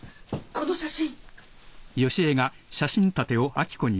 この写真。